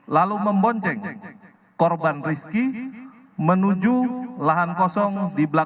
lalu membonceng korban rizki menuju lahan kosong di belakang